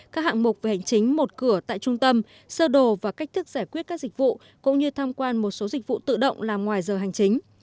các hạng mục về hành chính một cửa tại trung tâm sơ đồ và cách thức giải quyết các dịch vụ cũng như tham quan một số dịch vụ tự động làm ngoài giờ hành chính